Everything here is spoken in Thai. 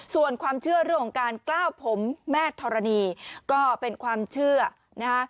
ส่วนความเชื่อเรื่องของการกล้าวผมแม่ธรณีก็เป็นความเชื่อนะฮะ